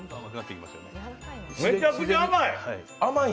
めちゃくちゃ甘い。